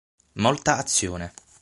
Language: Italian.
Molta azione.